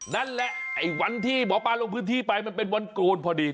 นั่นแหละไอ้วันที่หมอปลาลงพื้นที่ไปมันเป็นวันโกนพอดี